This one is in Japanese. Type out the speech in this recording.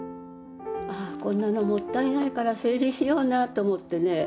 あこんなのもったいないから整理しようなと思ってね。